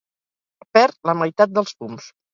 Perd la meitat dels fums.